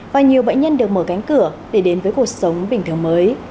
và nhiều bệnh nhân được mở cánh cửa để đến với cuộc sống bình thường mới